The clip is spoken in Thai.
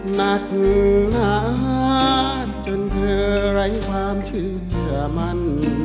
หนักหนาจนเกลือไหลความเชื่อมัน